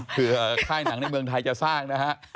ค่ายหนังในเมืองไทยจะสร้างนะฮะ